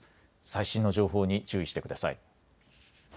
最新の情報に注意してください。